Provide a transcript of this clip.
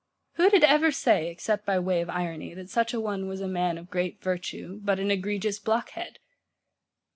Who did ever say, except by way of irony, that such a one was a man of great virtue, but an egregious blockhead?